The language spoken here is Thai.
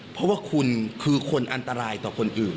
เพราะว่าคุณคือคนอันตรายต่อคนอื่น